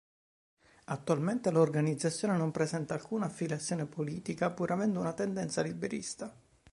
Attualmente l'organizzazione non presenta alcuna affiliazione politica, pur avendo una tendenza liberista.